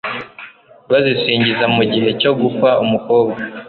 bazisingiza mu gihe cyo gukwa umukobwa